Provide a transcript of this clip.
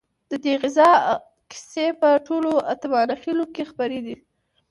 ددې غزا کیسې په ټولو اتمانخيلو کې خپرې دي.